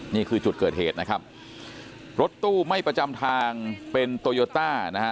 นี่คือจุดเกิดเหตุนะครับรถตู้ไม่ประจำทางเป็นโตโยต้านะฮะ